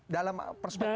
dalam perspektif anda